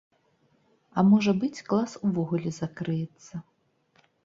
А можа быць, клас увогуле закрыецца.